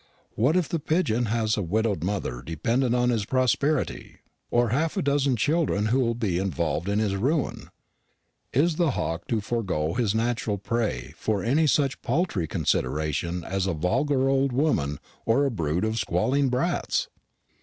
What if the pigeon has a widowed mother dependent on his prosperity, or half a dozen children who will be involved in his ruin? Is the hawk to forego his natural prey for any such paltry consideration as a vulgar old woman or a brood of squalling brats?